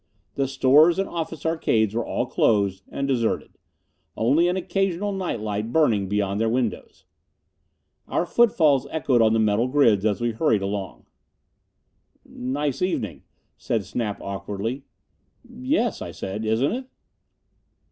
The stores and office arcades were all closed and deserted; only an occasional night light burning behind their windows. Our footfalls echoed on the metal grids as we hurried along. "Nice evening," said Snap awkwardly. "Yes," I said, "isn't it?"